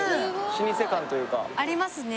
老舗感というかありますね・